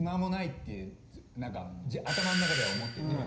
何か頭ん中では思ってて。